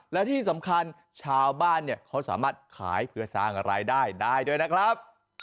และที่สำคัญชาวบ้านเขาสามารถขายเพื่อสร้างรายได้ได้ด้วยนะครับ